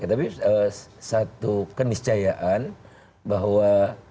tapi satu keniscayaan bahwa